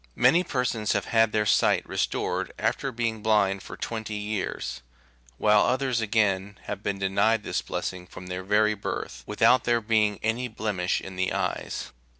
Many persons have had their sight restored after being blind for twenty years ; while others, again, have been denied this blessing from their very birth, without there being any blemish in the eyes.